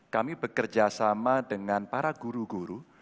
kami bekerja sama dengan para guru guru